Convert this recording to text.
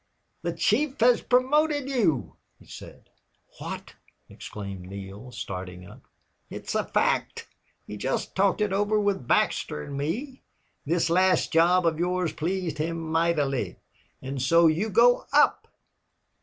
"The chief has promoted you," he said. "What!" exclaimed Neale, starting up. "It's a fact. He just talked it over with Baxter and me. This last job of yours pleased him mightily... and so you go up."